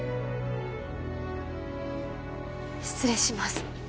失礼します